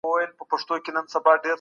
د تولیدي ځواکونو پرمختګ خورا چټک و.